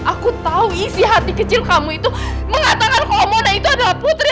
aku tahu si hati kecil kamu itu mengatakan kalau moda itu adalah putri